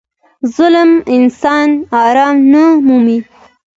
• ظالم انسان آرام نه مومي.